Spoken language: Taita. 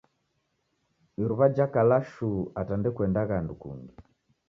Iruw'a jakala shuu ata ndekuendagha andu kungi